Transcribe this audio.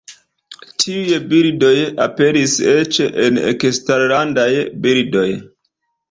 Tiuj bildoj aperis eĉ en eksterlandaj libroj.